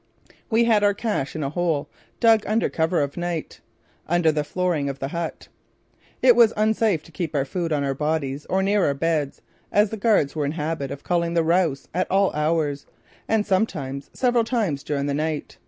We had our cache in a hole, dug under cover of night, under the flooring of the hut. It was unsafe to keep food on our bodies or near our beds, as the guards were in the habit of calling the Raus at all hours, and sometimes, several times during the night.